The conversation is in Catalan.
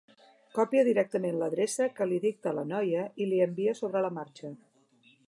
Copia directament l'adreça que li dicta la noia i li envia sobre la marxa.